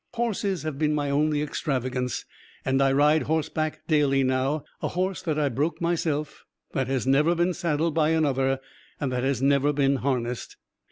Horses have been my only extravagance, and I ride horseback daily now: a horse that I broke myself, that has never been saddled by another, and that has never been harnessed.